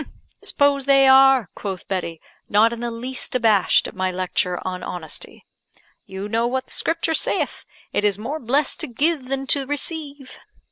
"S'pose they are," quoth Betty, not in the least abashed at my lecture on honesty, "you know what the Scripture saith, 'It is more blessed to give than to receive.'"